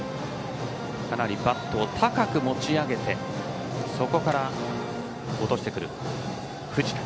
かなりバットを高く持ち上げてそこから落としてくる藤田。